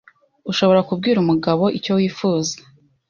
ushobora kubwira umugabo icyo wifuza